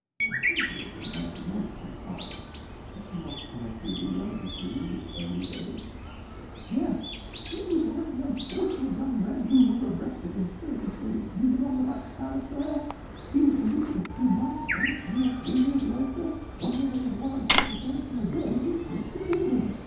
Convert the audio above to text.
I seem to recognize the name, somehow; was he not connected with Young Italy in its early days?" "Yes; he was one of the unfortunate young men who were arrested in '33 you remember that sad affair? He was released in a few months; then, two or three years later, when there was a warrant out against him again, he escaped to England.